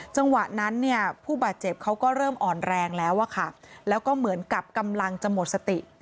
จังหวะนั้นเนี่ยผู้บาดเจ็บเขาก็เริ่มอ่อนแรงแล้วอะค่ะแล้วก็เหมือนกับกำลังจะหมดสติ